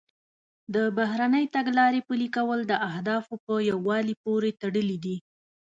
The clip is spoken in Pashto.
د بهرنۍ تګلارې پلي کول د اهدافو په یووالي پورې تړلي دي